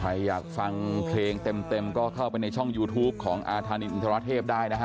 ใครอยากฟังเพลงเต็มก็เข้าไปในช่องยูทูปของอาธานินอินทรเทพได้นะฮะ